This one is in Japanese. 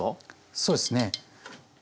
そうですね。